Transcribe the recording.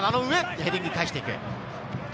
ヘディング返して行く。